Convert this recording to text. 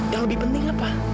yang lebih penting apa